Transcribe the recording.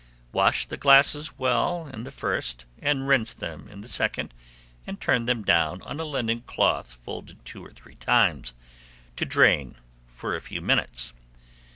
Wash the glasses well in the first and rinse them in the second, and turn them down on a linen cloth folded two or three times, to drain for a few minutes.